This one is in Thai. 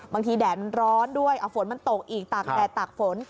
แดดมันร้อนด้วยฝนมันตกอีกตากแดดตากฝน